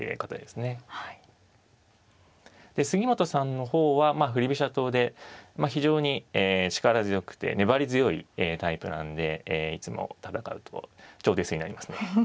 で杉本さんの方はまあ振り飛車党で非常に力強くて粘り強いタイプなんでいつも戦うと長手数になりますね。